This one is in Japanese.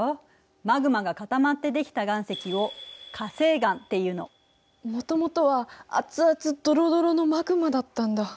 マグマが固まって出来た岩石をもともとは熱々ドロドロのマグマだったんだ。